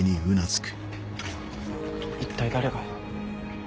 一体誰が。